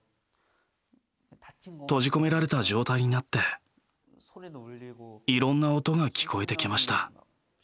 閉じ込められた状態になっていろんな音が聞こえてきました。